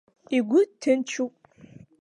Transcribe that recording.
Игәы ҭынчуп.